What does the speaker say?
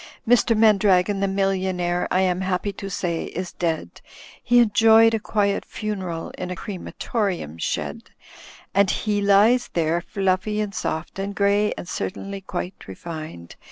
"Mr. Mandragon the Millionaire, I am happy to say, is dead. He enjoyed a quiet funeral in a crematorium shed, And he lies there fluffy and soft and grey and certainly quite refined.